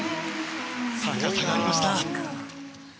高さがありました。